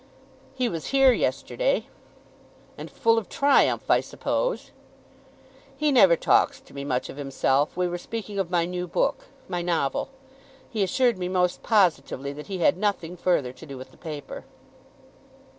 "He was here yesterday." "And full of triumph, I suppose?" "He never talks to me much of himself. We were speaking of my new book, my novel. He assured me most positively that he had nothing further to do with the paper."